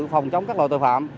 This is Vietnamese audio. phòng chống các loại tội phạm